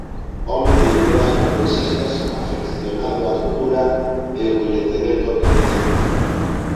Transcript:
Home de ideas progresistas afeccionado a lectura e o coñecemento autodidacta.